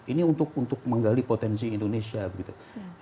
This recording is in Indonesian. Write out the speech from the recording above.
ini untuk menggali potensi indonesia begitu